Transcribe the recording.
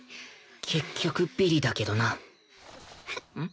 結局ビリだけどなん？